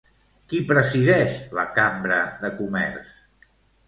Qui presideix la Cambra de Comerç?